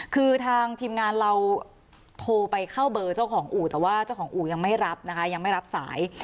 คือทางทีมงานเราโทรไปเข้าเบอร์เจ้าของอู่แต่ว่าเจ้าของอู่ยังไม่รับนะคะยังไม่รับสาย